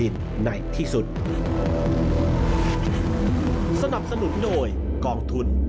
ช่อง